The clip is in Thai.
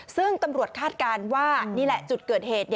ซึ่งตำรวจคาดการณ์ว่านี่แหละจุดเกิดเหตุ